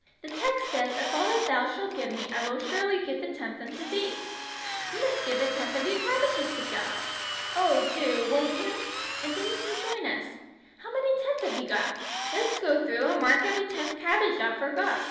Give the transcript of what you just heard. The text says, 'Of all that Thou shalt give me, I will surely give the tenth unto Thee.' You must give a tenth of your cabbages to God. Oh, do, won't you? And then you can join us. How many tens have you got? Let us go through, and mark every tenth cabbage off for God.